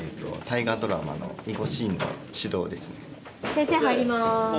先生入ります！